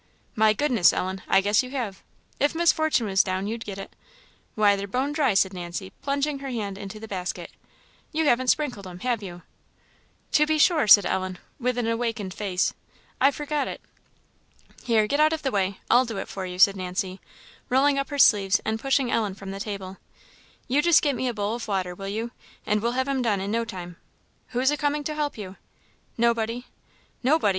"My goodness, Ellen! I guess you have. If Miss Fortune was down, you'd get it. Why, they're bone dry!" said Nancy, plunging her hand into the basket: "you haven't sprinkled 'em, have you?" "To be sure," said Ellen, with an awakened face, "I forgot it!" "Here, get out of the way, I'll do it for you," said Nancy, rolling up her sleeves, and pushing Ellen from the table; "you just get me a bowl of water, will you? and we'll have 'em done in no time. Who's a coming to help you?" "Nobody." "Nobody!